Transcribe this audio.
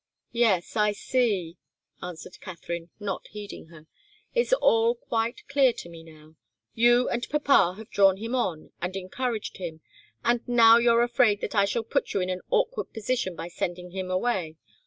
"Yes I see," answered Katharine, not heeding her. "It's all quite clear to me now. You and papa have drawn him on and encouraged him, and now you're afraid that I shall put you in an awkward position by sending him away.